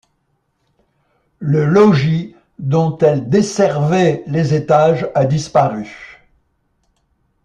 Le logis dont elle desservait les étages a disparu.